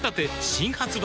新発売